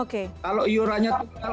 kalau iurannya total